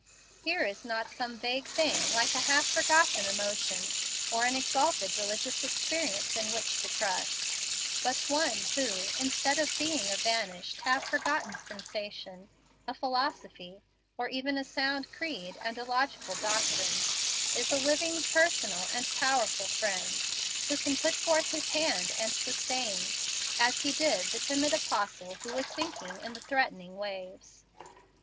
Here is not some vague thing like a half forgotten emotion or an exalted religious experience in which to trust, but One who, instead of being a vanished, half forgotten sensation, a philosophy, or even a sound creed and a logical doctrine, is a living personal and powerful Friend, who can put forth His hand and sustain, as He did the timid Apostle who was sinking in the threatening waves.